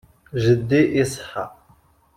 Jeddi iṣeḥḥa.